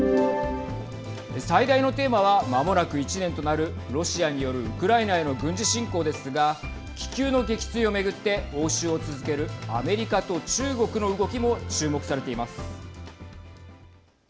最大のテーマはまもなく１年となるロシアによるウクライナへの軍事侵攻ですが気球の撃墜を巡って応酬を続けるアメリカと中国の動きも注目されています。